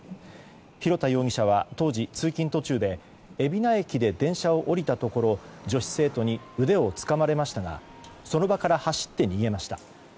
廣田容疑者は当時通勤途中で海老名駅で電車を降りたところ女子生徒に腕をつかまれましたがその場から走って逃げました。